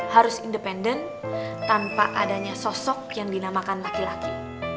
harus independen tanpa adanya sosok yang dinamakan laki laki